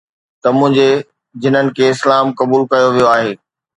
ته منهنجي جنن کي اسلام قبول ڪيو ويو آهي